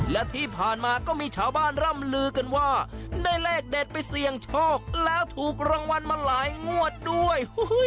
และที่ผ่านมาก็มีชาวบ้านร่ำลือกันว่าได้เลขเด็ดไปเสี่ยงโชคแล้วถูกรางวัลมาหลายงวดด้วย